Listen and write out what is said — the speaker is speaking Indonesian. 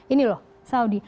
ini loh saudi